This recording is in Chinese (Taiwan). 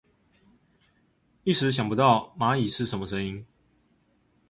一時想不到螞蟻是什麼聲音